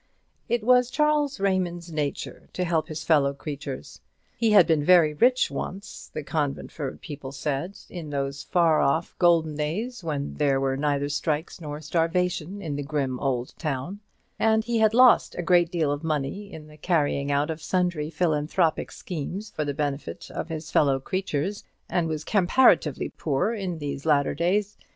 It was Charles Raymond's nature to help his fellow creatures. He had been very rich once, the Conventford people said, in those far off golden days when there were neither strikes nor starvation in the grim old town; and he had lost a great deal of money in the carrying out of sundry philanthropic schemes for the benefit of his fellow creatures, and was comparatively poor in these latter days.